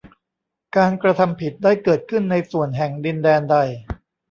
การกระทำผิดได้เกิดขึ้นในส่วนแห่งดินแดนใด